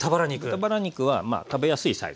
豚バラ肉は食べやすいサイズね。